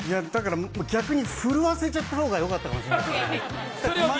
逆に震わせちゃった方がよかったかもしれない。